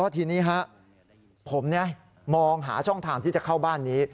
ทีนี้ผมมองหาช่องทางที่จะเข้าบ้านนี้